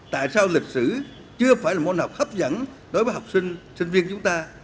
tại sao lịch sử chưa phải là môn học hấp dẫn đối với học sinh sinh viên chúng ta